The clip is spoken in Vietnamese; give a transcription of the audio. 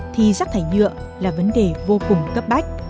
thì rác thải nhựa là vấn đề vô cùng cấp bách